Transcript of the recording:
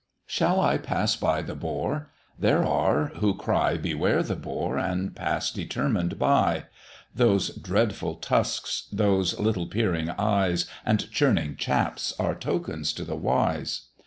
Shall I pass by the Boar? there are who cry, "Beware the Boar," and pass determined by: Those dreadful tusks, those little peering eyes And churning chaps, are tokens to the wise.